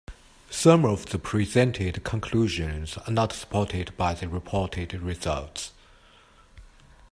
Some of the presented conclusions are not supported by the reported results.